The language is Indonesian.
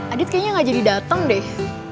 adit kayaknya gak jadi datang deh